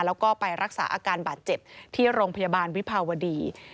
แล้วก็ไปรักษาอาการบาดเจ็บที่โรงพยาบาลวิภาวดี